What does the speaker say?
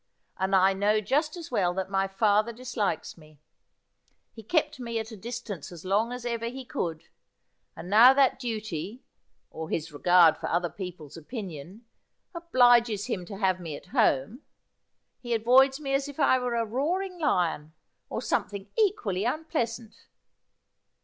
And I know just as well that my father dislikes me. He kept me at a distance as long as ever he could, and now that duty — or his regard for other people's opinion — obliges him to have me at home, he avoids me as if I were a roaring lion, or something equally unpleasant.'